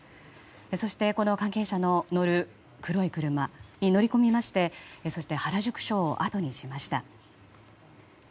そして、この関係者の乗る黒い車に乗り込みましてそして原宿署をあとにしました。